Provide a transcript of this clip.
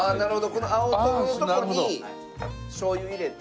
この青唐のとこにしょうゆ入れて。